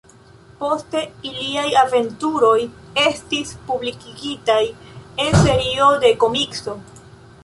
Poste iliaj aventuroj estis publikigitaj en serio de komikso.